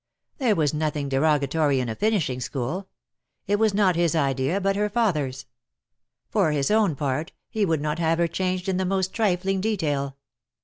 There was nothing derogatory in a finishing school. It was not his idea, but her father's. For his own part he would not have her changed in the most trifling detail.